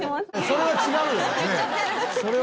それは違うよ。